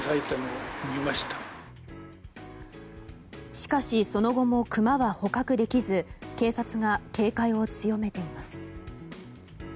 しかしその後もクマは捕獲できず警察が警戒を強めています。